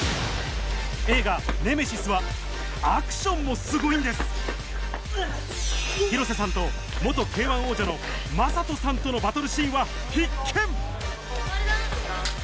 映画『ネメシス』はアクションもすごいんです広瀬さんととのバトルシーンは必見！